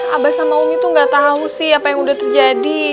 abah sama umi tuh gak tahu sih apa yang udah terjadi